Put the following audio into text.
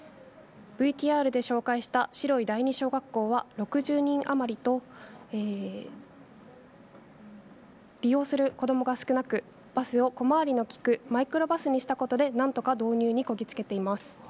ＶＴＲで紹介した白井第二小学校は６０人余りと利用する子どもが少なくバスも小回りのきくマイクロバスにしたことで何とか導入にこぎ着けています。